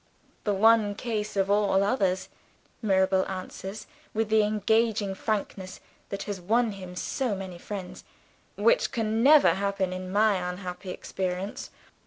"The one case of all others," Mirabel answers, with the engaging frankness that has won him so many friends, "which can never happen in my unhappy experience.